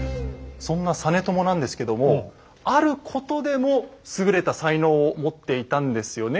そんな実朝なんですけどもあることでも優れた才能を持っていたんですよね